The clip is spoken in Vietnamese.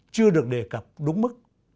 chưa được đề cập đúng mức